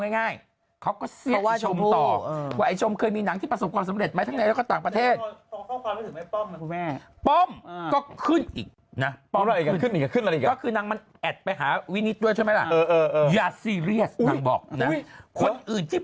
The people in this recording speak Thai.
วินิติด้วยใช่ไหมเออเออเอออย่าเซรียสมึงบอกนะคนอื่นที่